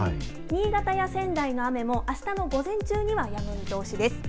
新潟や仙台の雨もあしたの午前中にはやむ見通しです。